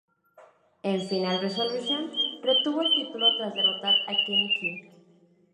En "Final Resolution" retuvo el título tras derrotar a Kenny King.